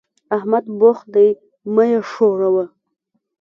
احمد بوخت دی؛ مه يې ښوروه.